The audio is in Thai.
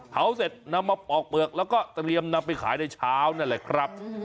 เสร็จนำมาปอกเปลือกแล้วก็เตรียมนำไปขายในเช้านั่นแหละครับ